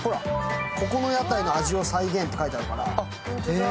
「ここの屋台の味を再現」って書いてあるから。